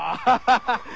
ハハハッ。